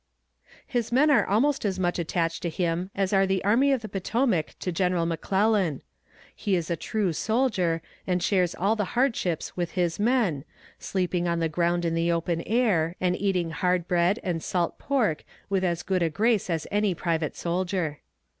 His men are almost as much attached to him as are the Army of the Potomac to General McClellan. He is a true soldier, and shares all the hardships with his men, sleeping on the ground in the open air, and eating hard bread and salt pork with as good a grace as any private soldier.